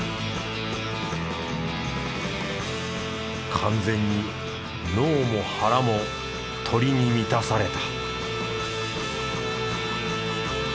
完全に脳も腹も鶏に満たされた